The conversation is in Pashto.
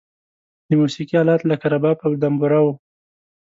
د موسیقی آلات لکه رباب او دمبوره و.